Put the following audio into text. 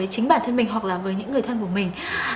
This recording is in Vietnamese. chính bản thân mình hoặc là với những người thân của mình